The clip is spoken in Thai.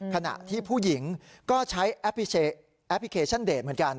ขณะที่ผู้หญิงก็ใช้แอปพลิเคชันเดทเหมือนกัน